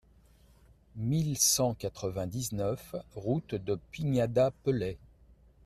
mille cent quatre-vingt-dix-neuf route de Pignada-Pelay